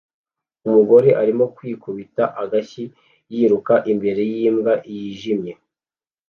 Umugore arimo kwikubita agashyi yiruka imbere yimbwa yijimye